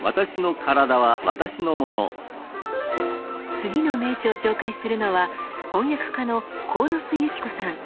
次の名著を紹介するのは翻訳家の鴻巣友季子さん。